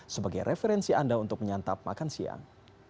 sebagai referensi anda untuk menyantap makan siang